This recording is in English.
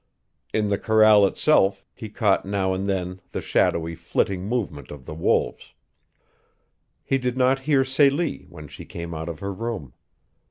In the corral itself he caught now and then the shadowy, flitting movement of the wolves. He did not hear Celie when she came out of her room.